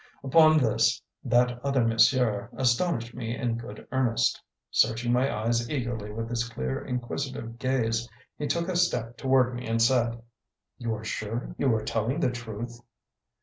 Upon this "that other monsieur" astonished me in good earnest. Searching my eyes eagerly with his clear, inquisitive gaze, he took a step toward me and said: "You are sure you are telling the truth?"